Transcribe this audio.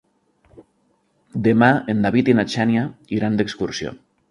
Demà en David i na Xènia iran d'excursió.